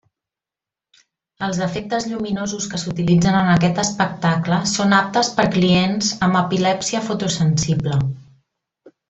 Els efectes lluminosos que s'utilitzen en aquest espectacle són aptes per clients amb epilèpsia fotosensible.